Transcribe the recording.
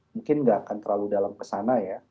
mungkin nggak akan terlalu dalam kesana ya